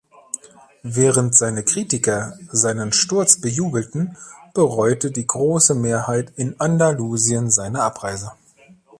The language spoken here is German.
Während seine Kritiker seinen Sturz bejubelten, bereute die große Mehrheit in Andalusien seine Abreise.